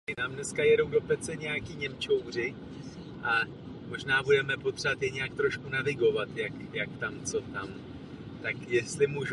Ochota mnohých členských států je zjevně diskutabilní.